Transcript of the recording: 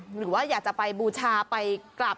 หรือว่าอยากจะไปบูชาไปกลับ